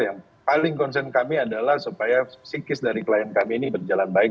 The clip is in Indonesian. yang paling concern kami adalah supaya psikis dari klien kami ini berjalan baik